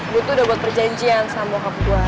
gue tuh udah buat perjanjian sama bokap gue